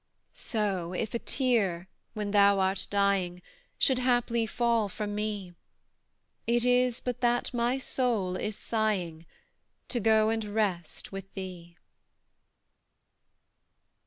So, if a tear, when thou art dying, Should haply fall from me, It is but that my soul is sighing, To go and rest with thee.